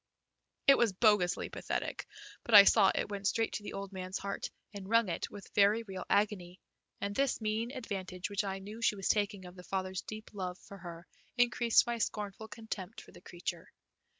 It was bogusly pathetic, but I saw it went straight to the old man's heart and wrung it with very real agony, and this mean advantage which I knew she was taking of the father's deep love for her increased my scornful contempt for the creature.